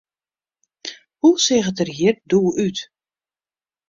Hoe seach it der hjir doe út?